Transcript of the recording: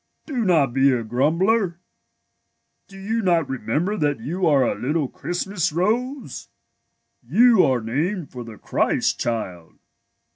Do not be a grumbler. Do you not remember that you are a little Christmas rose? You are named for the Christ Child.